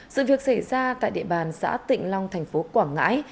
sự việc xảy ra tại địa bàn xã tịnh long tp quảng ngãi